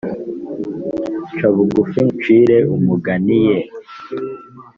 ca bugufi ngucire umugane ye